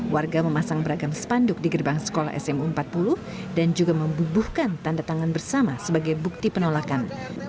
warga memasang beragam spanduk di gerbang sekolah smu empat puluh dan juga membubuhkan tanda tangan bersama sebagai bukti penolakan